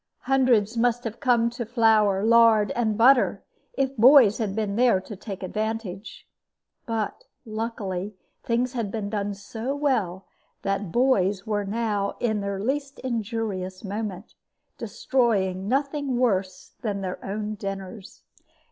Hundreds must have come to flour, lard, and butter if boys had been there to take advantage. But luckily things had been done so well that boys were now in their least injurious moment, destroying nothing worse than their own dinners.